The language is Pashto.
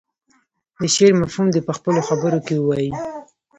د شعر مفهوم دې په خپلو خبرو کې ووايي.